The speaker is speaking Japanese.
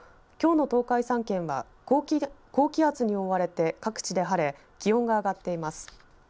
気象台によりますときょうの東海３県は高気圧に覆われて各地で晴れ気温が上がっています。